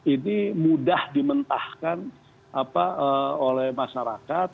ini mudah dimentahkan oleh masyarakat